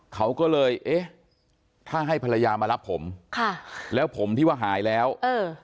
เขาก็เลยเอ๊ะถ้าให้ภรรยามารับผมค่ะแล้วผมที่ว่าหายแล้วเออ